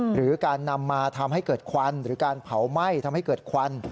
หรือการนำมาทำให้เกิดควันหรือการเผาไหม้ทำให้เกิดควัน